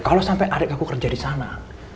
kalo sampe adik aku kerja disana